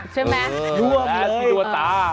ใช่ไหมนวมเลยแม่เลยเออนวดตา